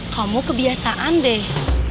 kamu kebiasaan deh